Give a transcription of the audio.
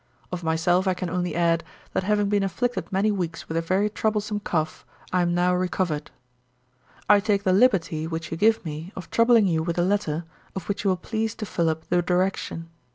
Of myself I can only add, that having been afflicted many weeks with a very troublesome cough, I am now recovered. 'I take the liberty which you give me of troubling you with a letter, of which you will please to fill up the direction.